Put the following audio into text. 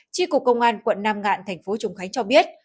tri cục công an quận nam ngạn tp trung khánh cho biết